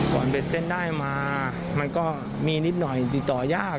มันเป็นเส้นได้มามันก็มีนิดหน่อยติดต่อยาก